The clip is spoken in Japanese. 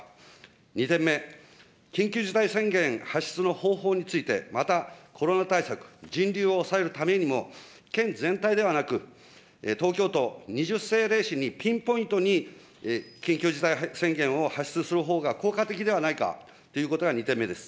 ２点目、緊急事態宣言発出の方法について、またコロナ対策、人流を抑えるためにも、県全体ではなく、東京と２０政令市にピンポイントに緊急事態宣言を発出するほうが効果的ではないかということが２点目です。